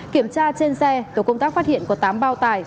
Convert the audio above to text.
kiểm tra trên xe tổ công tác phát hiện có tám bao tải